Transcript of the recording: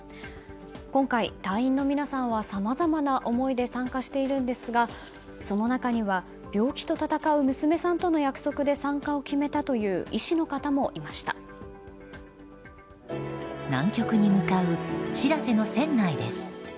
今回、隊員の皆さんはさまざまな思いで参加しているんですがその中には病気と闘う娘さんとの約束で参加を決めたという南極に向かう「しらせ」の船内です。